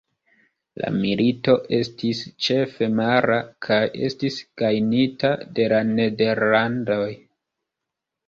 La milito estis ĉefe mara kaj estis gajnita de la Nederlandoj.